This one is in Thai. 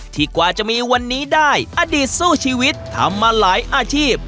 กว่าจะมีวันนี้ได้อดีตสู้ชีวิตทำมาหลายอาชีพ